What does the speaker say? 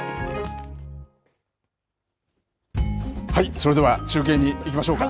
それでは中継にいきましょうか。